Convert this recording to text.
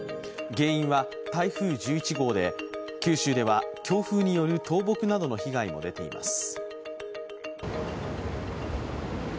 原因は台風１１号で、九州では強風による倒木などの被害も出ています。